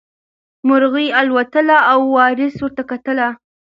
مرغۍ الوتله او وارث ورته کتل.